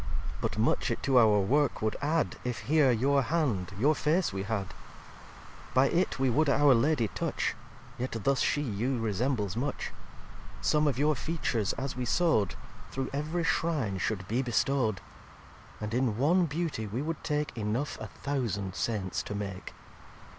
xvii "But much it to our work would add If here your hand, your Face we had: By it we would our Lady touch; Yet thus She you resembles much. Some of your Features, as we sow'd, Through ev'ry Shrine should be bestow'd. And in one Beauty we would take Enough a thousand Saints to make.